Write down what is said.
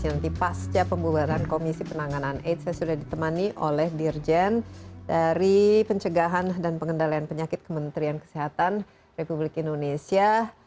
nanti pasca pembubaran komisi penanganan aids saya sudah ditemani oleh dirjen dari pencegahan dan pengendalian penyakit kementerian kesehatan republik indonesia